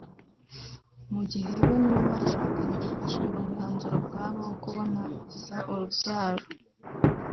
mu gihe we n’uwo bashakanye bafashe umwanzuro ubwabo wo kuboneza urubyaro